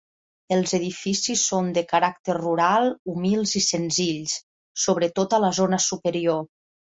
Els edificis són, de caràcter rural, humils i senzills, sobretot a la zona superior.